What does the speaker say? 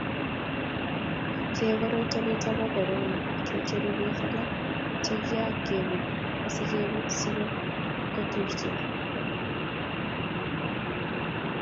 Kiyai koroito nito bo korona ke cheru biik alak che kiaketub asiketub che katukusirtos